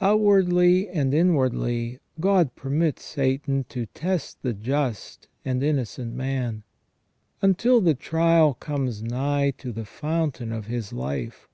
Outwardly and inwardly God permits Satan to test the just and innocent man, until the trial comes nigh to the fountain of his life.